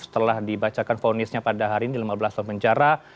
setelah dibacakan fonisnya pada hari ini lima belas tahun penjara